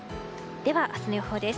では、明日の予報です。